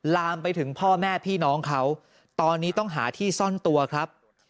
ลามไปถึงพ่อแม่พี่น้องเขาตอนนี้ต้องหาที่ซ่อนตัวครับ